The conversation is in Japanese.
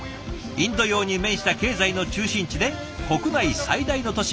インド洋に面した経済の中心地で国内最大の都市